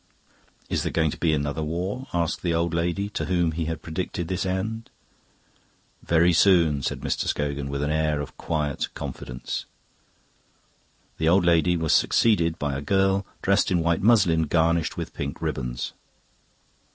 "Is there going to be another war?" asked the old lady to whom he had predicted this end. "Very soon," said Mr. Scogan, with an air of quiet confidence. The old lady was succeeded by a girl dressed in white muslin, garnished with pink ribbons.